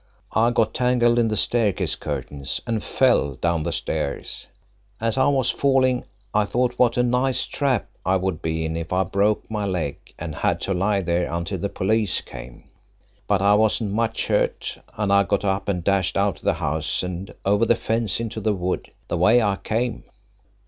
I got tangled in the staircase curtains and fell down the stairs. As I was falling I thought what a nice trap I would be in if I broke my leg and had to lie there until the police came. But I wasn't much hurt and I got up and dashed out of the house and over the fence into the wood, the way I came."